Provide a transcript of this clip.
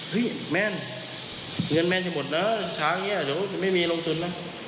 เฮ้ยแม่นเงินแม่นที่หมดนะช้างเนี้ยเดี๋ยวไม่มีลงทุนนะ